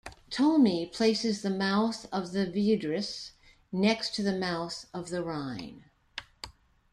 Ptolemy places the mouth of the Vidrus next to the mouth of the Rhine.